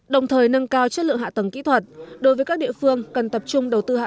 đồng thời nâng cao chất lượng hạ tầng kỹ thuật đối với các địa phương cần tập trung đầu tư hạ